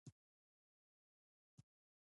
چې بېواكه مې په لوړ ږغ وويل.